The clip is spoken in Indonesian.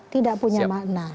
tidak punya makna